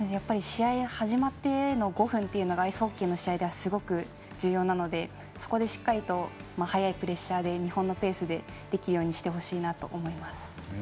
試合始まっての５分というのがアイスホッケーの試合ではすごく重要なのでそこでしっかりと早いプレッシャーで日本のペースでいけるようにしてほしいなと思います。